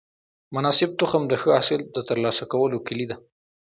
مناسب تخم د ښه حاصل د ترلاسه کولو کلي ده.